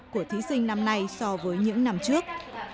của thí sinh năm nay so với những năm trước